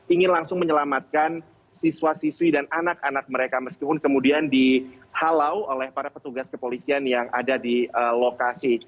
ingin langsung menyelamatkan siswa siswi dan anak anak mereka meskipun kemudian dihalau oleh para petugas kepolisian yang ada di lokasi